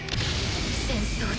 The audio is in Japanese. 戦争だ。